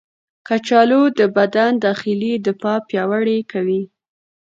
کچالو د بدن داخلي دفاع پیاوړې کوي.